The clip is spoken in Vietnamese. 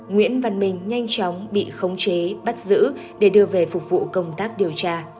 nguyễn văn minh nhanh chóng bị khống chế bắt giữ để đưa về phục vụ công tác điều tra